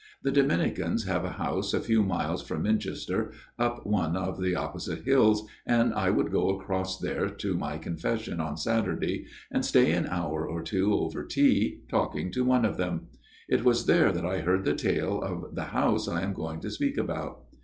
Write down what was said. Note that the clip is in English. The Dominicans have a house a few miles from Min chester, up one of the opposite hills, and I would go across there to my confession on Saturday, and stay an hour or two over tea, talking to one of them. It was there that I heard the tale of the house I am going to speak about.